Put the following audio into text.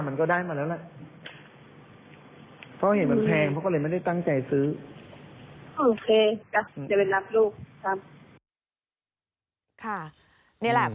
มันก็ได้มาแล้ว